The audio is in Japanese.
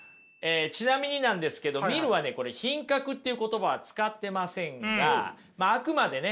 ちなみになんですけどミルはね「品格」っていう言葉は使ってませんがあくまでね